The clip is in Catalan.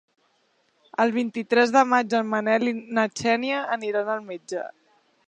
El vint-i-tres de maig en Manel i na Xènia aniran al metge.